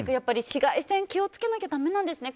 紫外線気をつけなきゃだめなんですね。